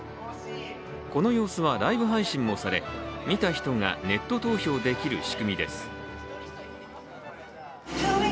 この様子はライブ配信もされ見た人がネット投票できる仕組みです。